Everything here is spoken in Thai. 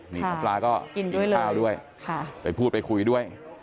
นี่หมอปลาก็กินข้าวด้วยไปพูดไปคุยด้วย